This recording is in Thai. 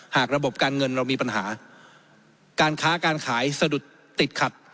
ระบบการเงินเรามีปัญหาการค้าการขายสะดุดติดขัด